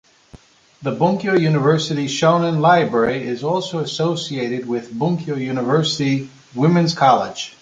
The Bunkyo University Shonan library is also associated with Bunkyo University Women's College.